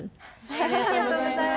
ありがとうございます。